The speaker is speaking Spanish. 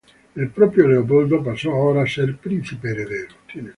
El propio Leopoldo pasó ahora a ser príncipe heredero.